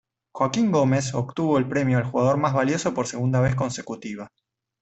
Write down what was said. Joaquim Gomez obtuvo el premio al Jugador Mas Valioso por segunda vez consecutiva.